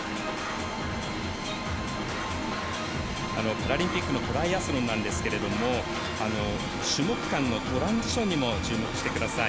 パラリンピックのトライアスロンなんですが種目間のトランジションにも注目してください。